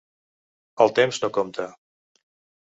El temps no compta.